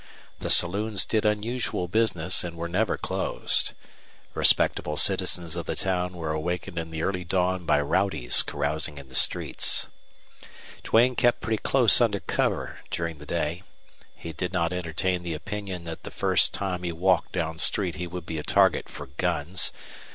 The saloons did unusual business and were never closed. Respectable citizens of the town were awakened in the early dawn by rowdies carousing in the streets. Duane kept pretty close under cover during the day. He did not entertain the opinion that the first time he walked down street he would be a target for guns.